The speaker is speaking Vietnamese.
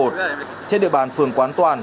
trên địa bàn phường quán toàn